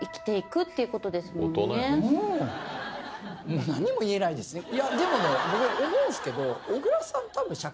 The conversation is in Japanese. もう何も言えないですね